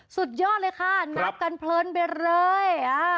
สุดยอดเลยค่ะนับกันเพลินไปเลย